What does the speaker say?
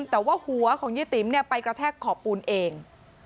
แต่ว่าหัวของเย้ติ๋มไปกระแทกขอบปูนเอง